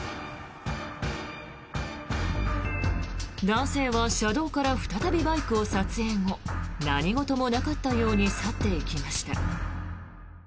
男性は車道から再びバイクを撮影後何事もなかったように去っていきました。